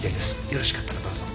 よろしかったらどうぞ。